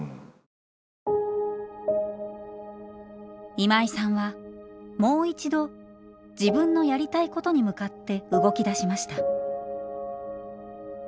今井さんはもう一度自分のやりたいことに向かって動きだしました。